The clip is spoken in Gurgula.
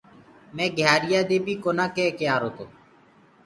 مي گھيآريآ دي بي ڪونآ ڪيڪي آرو تو